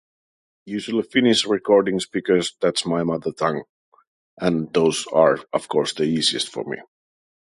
Usually Finnish recordings, because that's my mother tongue. And those are, of course, the easiest for me.